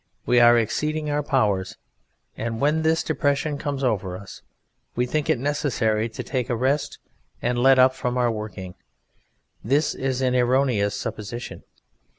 ] _We are exceeding our powers, and when this depression comes over Us, we think it necessary to take a rest, and Let up from working. This is an erroneous supposition.